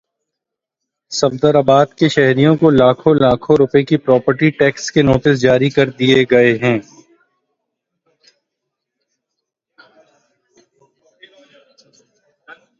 صفدرآباد کے شہریوں کو لاکھوں لاکھوں روپے کے پراپرٹی ٹیکس کے نوٹس جاری کردیئے گئے